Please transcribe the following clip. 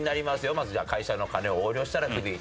まずじゃあ「会社の金を横領したらクビ」。